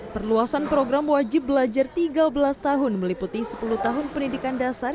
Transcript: perluasan program wajib belajar tiga belas tahun meliputi sepuluh tahun pendidikan dasar